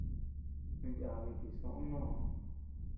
A yabi jisoʼö mnoo.